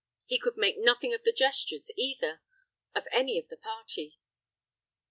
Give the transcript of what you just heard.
He could make nothing of the gestures, either, of any of the party.